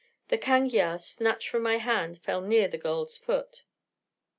The cangiar, snatched from my hand, fell near the girl's foot.